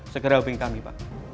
segera hubungi kami pak